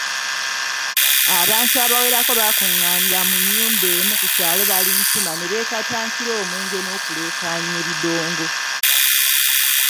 Abantu abawerako bakungaanira mu nnyumba emu ku kyalo Balintuma ne beekatankira omwenge n’okuleekanya ebidongo.